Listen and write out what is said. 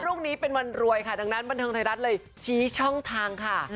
พรุ่งนี้เป็นวันรวยค่ะดังนั้นบันเทิงไทยรัฐเลยชี้ช่องทางค่ะ